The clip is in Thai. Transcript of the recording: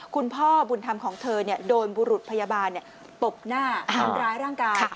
คุณพ่อบุญธรรมของเธอโดนบุรุษพยาบาลตบหน้าทำร้ายร่างกาย